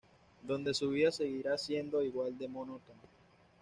Donde su vida seguirá siendo igual de monótona.